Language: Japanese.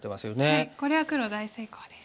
はいこれは黒大成功です。